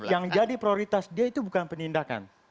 yang jadi prioritas dia itu bukan penindakan